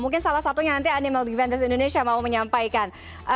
mungkin salah satunya nanti animal defenders indonesia mau menyampaikan